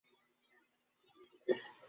রাজলক্ষ্মী কহিলেন, কাঁদিস নে, মহিন।